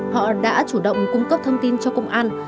họ đã chủ động cung cấp thông tin cho công an